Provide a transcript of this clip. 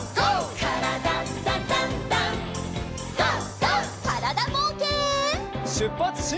からだぼうけん。